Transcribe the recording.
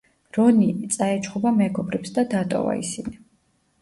რონი წაეჩხუბა მეგობრებს და დატოვა ისინი.